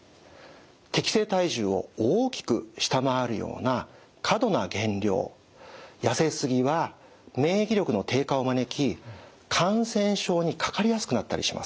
適正体重を大きく下回るような過度な減量やせ過ぎは免疫力の低下を招き感染症にかかりやすくなったりします。